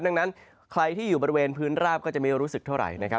ดังนั้นใครที่อยู่บริเวณพื้นราบก็จะไม่รู้สึกเท่าไหร่นะครับ